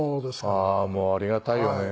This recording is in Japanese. ああもうありがたいよね。